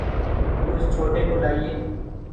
تو اس چھوٹے کو لائیے۔